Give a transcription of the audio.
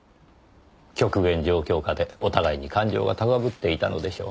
極限状況下でお互いに感情が高ぶっていたのでしょう。